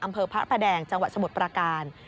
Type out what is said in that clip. อำเภอพระประแดงจังหวัดสมุทรประการ